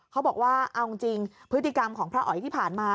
เขาบอกว่าเอาจริงพฤติกรรมของพระอ๋อยที่ผ่านมา